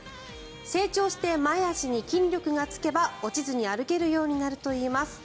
成長して前足に筋力がつけば落ちずに歩けるようになるといいます。